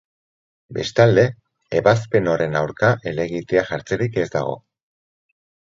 Bestalde, ebazpen horren aurka helegitea jartzerik ez dago.